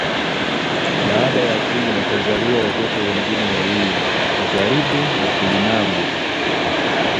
Baada ya Tunu, wakazaliwa watoto wengine wawili Jaribu na Tulinagwe